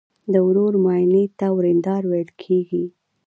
د ورور ماینې ته وریندار ویل کیږي.